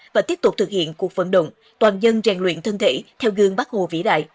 và tiếp tục thực hiện cuộc vận động toàn dân rèn luyện thân thể theo gương bác hồ vĩ đại